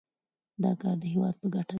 دا کار د هیواد په ګټه دی.